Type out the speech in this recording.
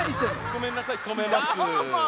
ごめんなさいとめます。